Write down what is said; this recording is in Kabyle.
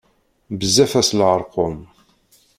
Bezzaf-as leṛqum.